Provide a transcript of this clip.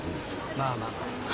まあまあ。